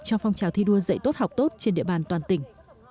cho phong trào thi đua dạy tốt học tốt trên địa bàn toàn tỉnh